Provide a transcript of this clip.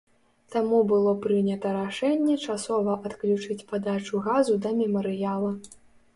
Таму было прынята рашэнне часова адключыць падачу газу да мемарыяла.